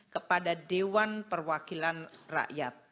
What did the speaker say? kepada dewan perwakilan rakyat